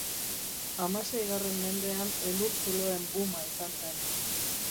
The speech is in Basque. Hamaseigarren mendean, elur-zuloen booma izan zen.